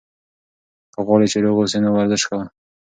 که غواړې چې روغ اوسې، نو ورزش کوه.